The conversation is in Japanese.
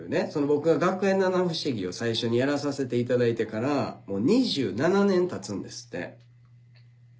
僕が「学園七不思議」を最初にやらさせていただいてからもう２７年たつんですって。